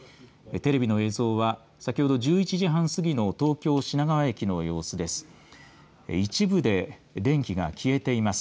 テレビの映像は先ほど１１時半過ぎの東京、品川駅の様子です。